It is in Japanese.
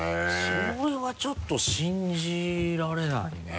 それはちょっと信じられないね。